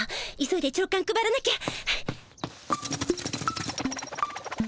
急いで朝かん配らなきゃ。